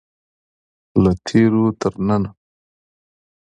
له تیرو تر ننه.